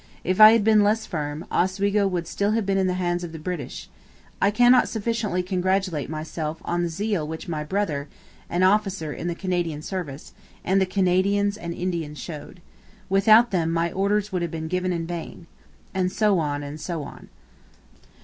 If I had been less firm, Oswego would still have been in the hands of the British. I cannot sufficiently congratulate myself on the zeal which my brother [an officer in the Canadian service] and the Canadians and Indians showed. Without them my orders would have been given in vain.' And so on, and so on.